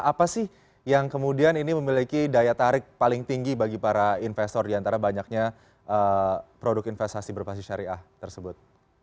apa sih yang kemudian ini memiliki daya tarik paling tinggi bagi para investor diantara banyaknya produk investasi berbasis syariah tersebut